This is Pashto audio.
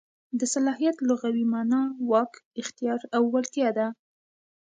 د صلاحیت لغوي مانا واک، اختیار او وړتیا ده.